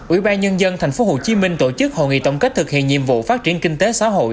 ủy ban nhân dân tp hcm tổ chức hội nghị tổng kết thực hiện nhiệm vụ phát triển kinh tế xã hội